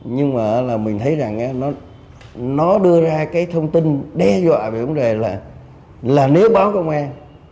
nhưng mà là mình thấy rằng nó đưa ra cái thông tin đe dọa về vấn đề là nếu báo công an